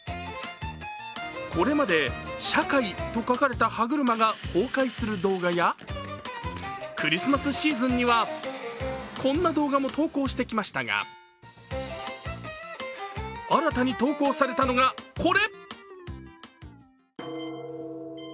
これまで「社会」と書かれた歯車が崩壊する動画やクリスマスシーズンにはこんな動画も投稿してきましたが新たに投稿されたのが、これ。